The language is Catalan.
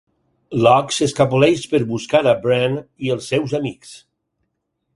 Locke s'escapoleix per buscar a Bran i els seus amics.